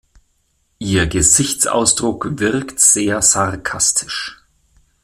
Ihr Gesichtsausdruck wirkt sehr sarkastisch.